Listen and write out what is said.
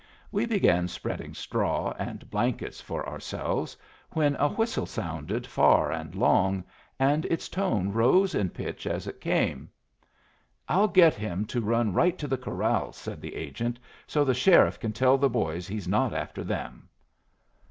We began spreading straw and blankets for ourselves, when a whistle sounded far and long, and its tone rose in pitch as it came. "I'll get him to run right to the corrals," said the agent, "so the sheriff can tell the boys he's not after them."